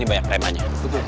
ini banyak remanya